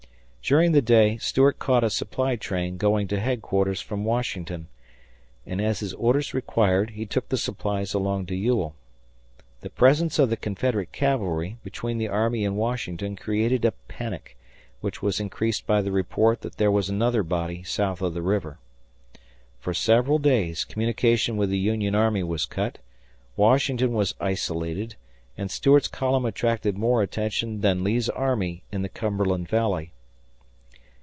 During the day Stuart caught a supply train going to headquarters from Washington, and, as his orders required, he took the supplies along to Ewell. The presence of the Confederate cavalry between the army and Washington created a panic, which was increased by the report that there was another body south of the river. For several days communication with the Union army was cut, Washington was isolated, and Stuart's column attracted more attention than Lee's army in the Cumberland Valley.